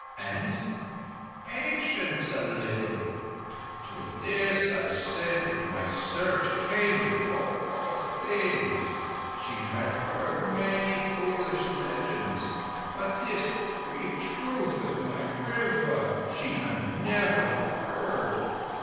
"And?" "Patience a little. To this I said that my Search came before all things. She had heard many foolish legends, but this great truth of my River she had never heard.